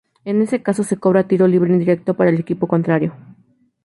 En ese caso se cobra tiro libre indirecto para el equipo contrario.